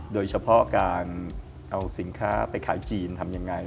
โดยเฉพาะการเอาสินค้าไปขายจีนทำยังไง